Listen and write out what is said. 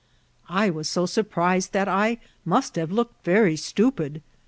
I was so sor* prised that I moit have looked very stupid.